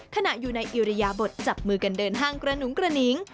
ขณะอยู่ในอิริยบทจับมือกันเดินห้างกระหนุงกระหนิง